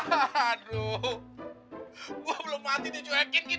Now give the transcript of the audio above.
siapa yang pengguluh orang di sini siapa yang mati sihonder